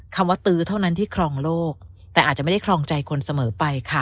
คำว่าตื้อเท่านั้นที่ครองโลกแต่อาจจะไม่ได้ครองใจคนเสมอไปค่ะ